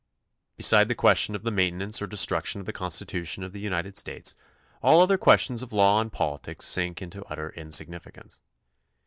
Beside the question of the maintenance or destruction of the Constitution of the United States all other questions of law and policies sink into utter insignificance.